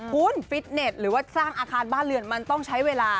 คุณฟิตเน็ตหรือว่าสร้างอาคารบ้านเรือนมันต้องใช้เวลา